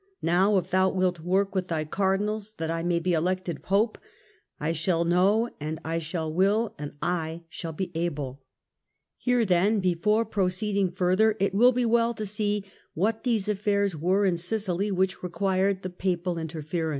Now if thou wilt work with thy cardinals that I may be elected Pope, I shall know, and I shall will, and I shall be able," Here then, before proceeding further, it will be as well to see what these affairs were in Sicily which required the Papal interference.